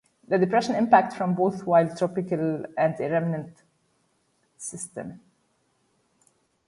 The depression impact from both while tropical and a remnant system.